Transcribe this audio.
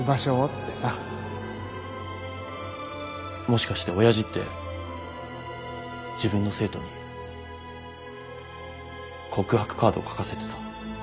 もしかして親父って自分の生徒に告白カードを書かせてた？